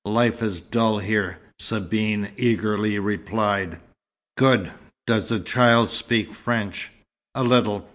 Life is dull here," Sabine eagerly replied. "Good. Does the child speak French?" "A little.